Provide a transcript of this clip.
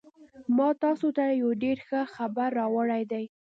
ما تاسو ته یو ډېر ښه خبر راوړی دی